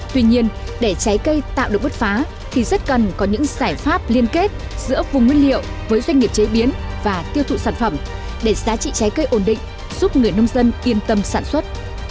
tuy nhiên để trái cây tạo được bứt phá thì rất cần có những giải pháp liên kết giữa vùng nguyên liệu với doanh nghiệp chế biến và tiêu thụ sản phẩm để giá trị trái cây ổn định giúp người nông dân yên tâm sản xuất